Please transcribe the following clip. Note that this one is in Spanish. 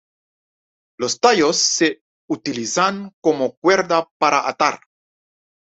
Los tallos se utilizan como cuerda para atar.